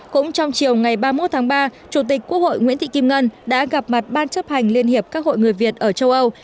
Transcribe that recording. cũng trong chiều ngày ba mươi một tháng ba chủ tịch quốc hội nguyễn thị kim ngân đã gặp mặt ban chấp hành liên hiệp các hội người việt ở châu âu